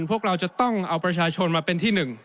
พวกเราจะต้องเอาประชาชนมาเป็นที่หนึ่ง